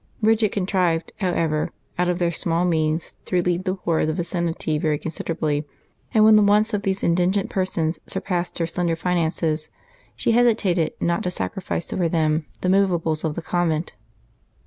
Bridgid contrived, however, out of their small means to relieve the poor of the vicinity very considerably; and when the wants of these indigent persons surpassed her slender finances, she hesitated not to sacrifice for them the movables of the convent.